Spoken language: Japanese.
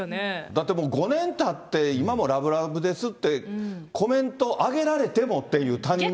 だってもう５年たって、今もラブラブですってコメント上げられてもっていう。